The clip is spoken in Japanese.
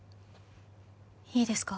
いいですか？